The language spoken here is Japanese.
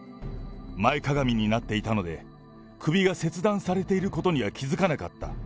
前かがみになっていたので、首が切断されていることには気付かなかった。